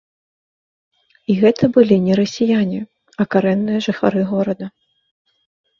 І гэта былі не расіяне, а карэнныя жыхары горада.